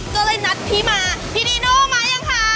ก็เลยนัดพี่มาพี่นีโน่มายังคะ